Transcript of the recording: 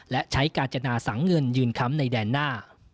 และใช้กาญจนาสังเงินยืนค้ำในแดนหน้า